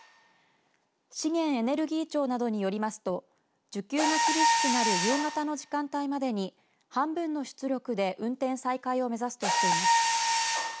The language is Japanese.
資源エネルギー庁などによりますと需給が厳しくなる夕方の時間帯までに半分の出力で運転再開を目指すとしています。